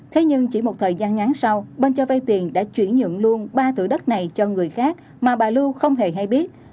thế nhưng chỉ một thời gian ngắn sau bên cho vay tiền đã chuyển nhượng luôn ba thửa đất này cho người khác mà bà lưu không hề hay biết